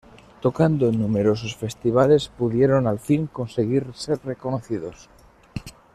Tocando en numerosos festivales pudieron al fin conseguir ser reconocidos.